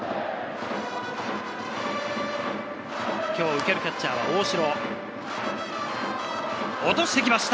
受けるキャッチャーは大城。